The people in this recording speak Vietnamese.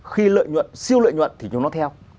khi lợi nhuận siêu lợi nhuận thì chúng nó theo